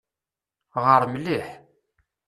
Ɣeṛ mliḥ.